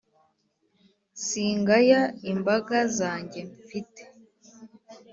singaya imbaga zange mfite